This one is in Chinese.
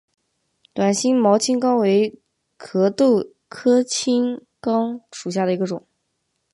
短星毛青冈为壳斗科青冈属下的一个种。